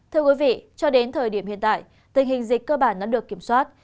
thưa quý vị cho đến thời điểm hiện tại tình hình dịch cơ bản đã được kiểm soát